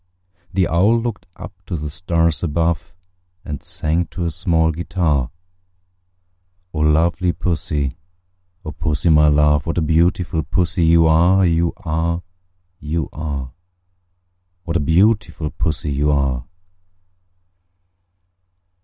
The Owl looked up to the stars above, And sang to a small guitar, "O lovely Pussy, O Pussy, my love, What a beautiful Pussy you are, You are, You are! What a beautiful Pussy you are!"